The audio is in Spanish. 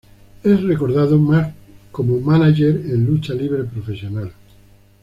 Es recordado más como mánager en lucha libre profesional.